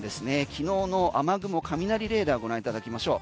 昨日の雨雲・雷レーダーをご覧いただきましょう。